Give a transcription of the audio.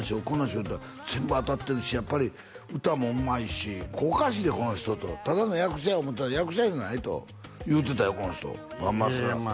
言うたら全部当たってるしやっぱり歌もうまいしおかしいでこの人とただの役者や思ってたら役者じゃないと言うてたよこの人いやいや